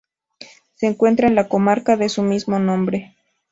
Se encuentra en la comarca de su mismo nombre.